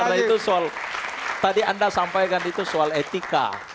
karena itu soal tadi anda sampaikan itu soal etika